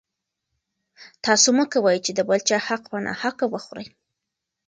تاسو مه کوئ چې د بل چا حق په ناحقه وخورئ.